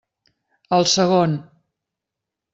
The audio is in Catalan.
El segon.